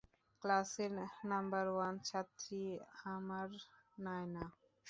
ক্লাসের number one ছাত্রী আমার নায়না!